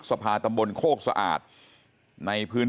ทำให้สัมภาษณ์อะไรต่างนานไปออกรายการเยอะแยะไปหมด